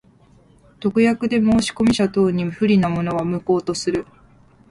特約で申込者等に不利なものは、無効とする。